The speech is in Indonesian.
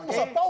tapi tidak kan